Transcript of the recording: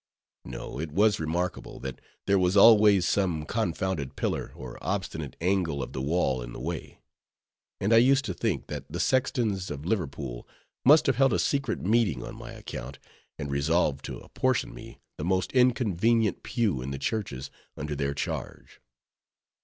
No; it was remarkable, that there was always some confounded pillar or obstinate angle of the wall in the way; and I used to think, that the sextons of Liverpool must have held a secret meeting on my account, and resolved to apportion me the most inconvenient pew in the churches under their charge.